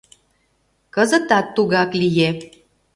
Кызытат тугак лие.